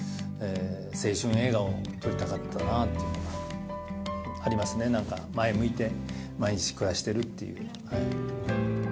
青春映画を撮りたかったなぁっていうのがありますね、なんか、前向いて、毎日、暮らしてるっていう。